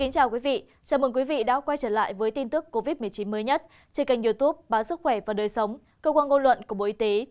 chào mừng quý vị đã quay trở lại với tin tức covid một mươi chín mới nhất trên kênh youtube bán sức khỏe và đời sống cơ quan ngôn luận của bộ y tế